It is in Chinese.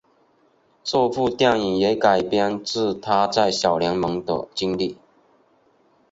这部电影也改编自他在小联盟的经历。